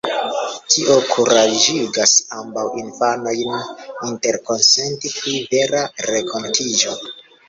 Tio kuraĝigas ambaŭ infanojn interkonsenti pri "vera" renkontiĝo.